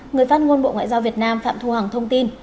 người phát ngôn bộ ngoại giao việt nam phạm thu hằng thông tin